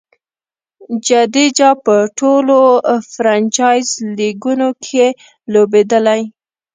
جډیجا په ټولو فرنچائز لیګونو کښي لوبېدلی.